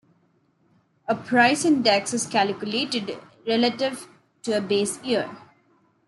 A price index is calculated relative to a base year.